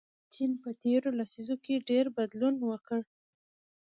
چین په تیرو لسیزو کې ډېر بدلون وکړ.